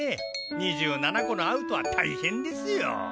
２７個のアウトは大変ですよ。